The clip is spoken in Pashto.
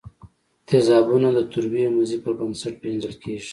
تیزابونه د تروې مزې په بنسټ پیژندل کیږي.